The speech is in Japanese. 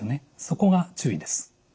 そこが注意です。